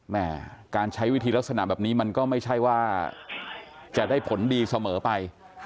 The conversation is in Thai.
แม่การใช้วิธีลักษณะแบบนี้มันก็ไม่ใช่ว่าจะได้ผลดีเสมอไป